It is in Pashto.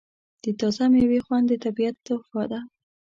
د تازه میوې خوند د طبیعت تحفه ده.